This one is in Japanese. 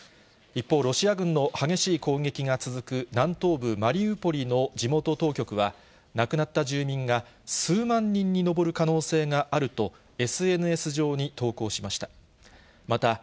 一方、ロシア軍の激しい攻撃が続く、南東部マリウポリの地元当局は、亡くなった住民が数万人に上る可能性があると、ＳＮＳ上に投稿しました。